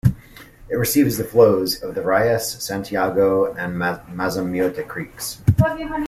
It receives the flows of the Reyes, Santiago and Mazamitote creeks.